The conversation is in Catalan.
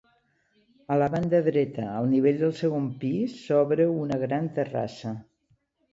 A la banda dreta, al nivell del segon pis, s'obre una gran terrassa.